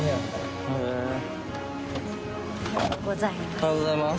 おはようございます。